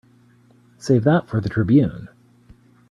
Save that for the Tribune.